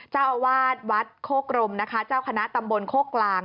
เจ้าอาวาสวัดโคกรมนะคะเจ้าคณะตำบลโคกกลาง